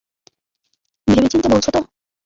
ভেবেচিন্তে বলছো তো?